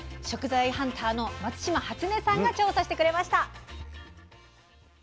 食材ハンターの松嶋初音さんが調査してくれました。